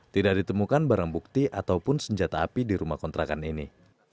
tidak ditemukan barang bukti ataupun senjata api di rumah kontrakan ini